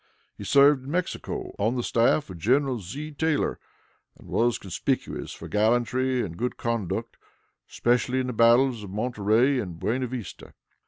He served in Mexico, on the staff of General Z. Taylor, and was conspicuous for gallantry and good conduct, especially in the battles of Monterey and Buena Vista.